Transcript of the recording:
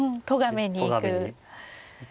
とがめに行く。